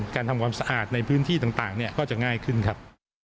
ทำความสะอาดในพื้นที่ต่างก็จะง่ายขึ้นครับ